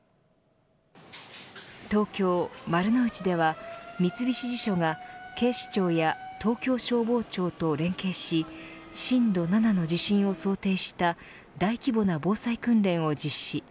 東京・丸の内では三菱地所が警視庁や東京消防庁と連携し震度７の地震を想定した大規模な防災訓練を実施。